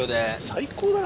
最高だな。